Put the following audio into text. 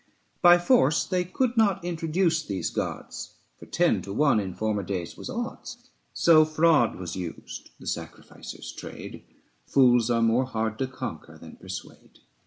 By force they could not introduce these gods, For ten to one in former days was odds: So fraud was used, the sacrificer's trade; Fools are more hard to conquer than persuade.